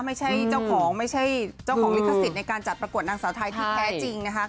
ไม่ใช่เจ้าของมีคศิลป์ในการจัดประกวดนางสาวไทยที่แพ้จริงนะคะ